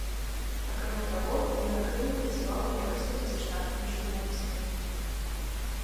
Акрамя таго, ён актыўна працаваў у якасці пазаштатнага журналіста.